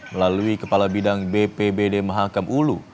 melalui kepala bidang bp bd mahakam ulu